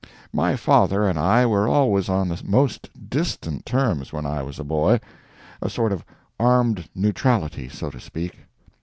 My father and I were always on the most distant terms when I was a boy—a sort of armed neutrality, so to speak.